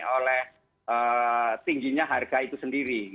oleh tingginya harga itu sendiri